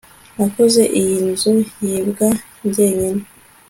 nakoze iyi nzu yimbwa jyenyine